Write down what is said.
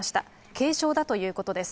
軽傷だということです。